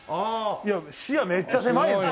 いや視野めっちゃ狭いです。